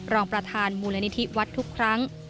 รองประธานมูลนิธิวัดทุกครั้ง